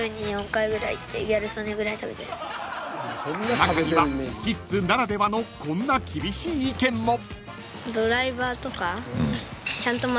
［中にはキッズならではのこんな厳しい意見も］